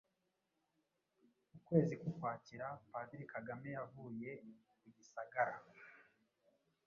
ukwezi kw’Ukwakira, Padiri Kagame yavuye ku Gisagara,